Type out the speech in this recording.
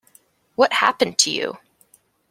What happened to you?